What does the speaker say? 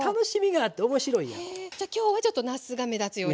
じゃあ今日はちょっとなすが目立つようにとか。